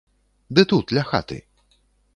Ды тут, ля хаты.